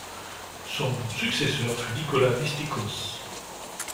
Son successeur fut Nicolas Mystikos.